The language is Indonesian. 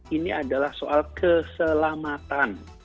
ini adalah soal keselamatan